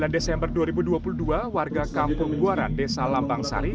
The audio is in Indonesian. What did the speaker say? sembilan desember dua ribu dua puluh dua warga kampung buaran desa lambang sari